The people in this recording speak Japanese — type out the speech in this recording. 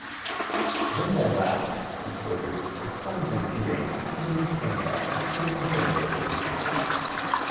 現在は１ドル１３９円８１銭から８４銭で取引されています。